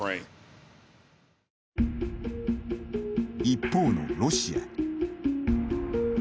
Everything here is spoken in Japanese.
一方のロシア。